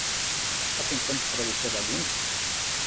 Está pensando que travesti é bagunça?